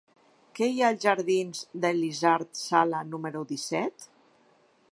Què hi ha als jardins d'Elisard Sala número disset?